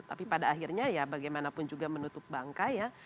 tapi pada akhirnya ya bagaimanapun juga menutup bangka ya